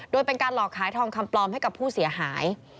โดยเป็นการหลอกขายทองคำปลอมให้กับผู้เสียหาย